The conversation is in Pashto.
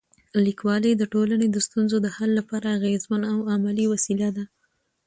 لیکوالی د ټولنې د ستونزو د حل لپاره اغېزمن او عملي وسیله ده.